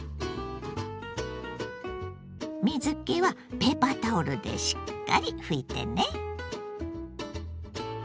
水けはペーパータオルでしっかり拭いてね。